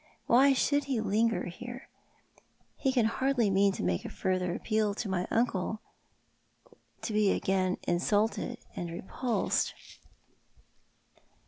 Why should ho linger here ? He can hardly mean to make a further appeal to my uncle, to be again insulted and repulsed.